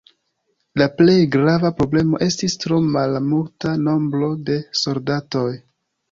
La plej grava problemo estis tro malmulta nombro de soldatoj.